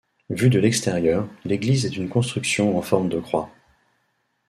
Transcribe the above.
Vue de l'extérieur, l'église est une construction en forme de croix.